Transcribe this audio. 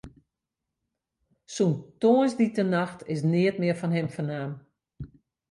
Sûnt tongersdeitenacht is neat mear fan him fernaam.